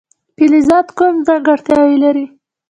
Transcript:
فلزات کومې ځانګړتیاوې لري.